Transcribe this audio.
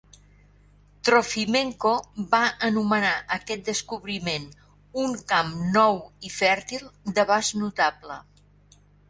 Trofimenko va anomenar aquest descobriment "un camp nou i fèrtil d'abast notable".